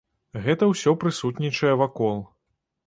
Гэта ўсё прысутнічае вакол.